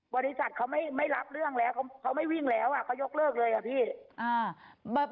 บริษัทเขาไม่รับเรื่องแล้วเขาไม่วิ่งแล้วเขายกเลิกเลยอะพี่